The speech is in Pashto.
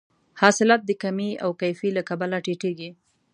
حاصلات د کمې او کیفي له کبله ټیټیږي.